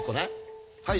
はい。